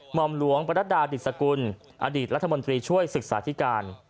หมอมหลวงประนัดดาดิสกุลอดีตรัฐมนตรีช่วยศึกษาธิการ